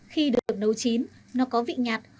khi được nấu chín nó có thể được dùng để làm những món ăn